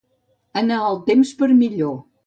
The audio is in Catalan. Anar el temps per millor.